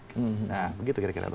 nah begitu kira kira